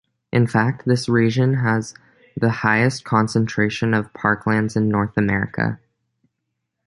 In fact, this region has the highest concentration of parklands in North America.